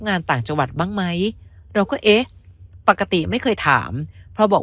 งานต่างจังหวัดบ้างไหมเราก็เอ๊ะปกติไม่เคยถามเพราะบอก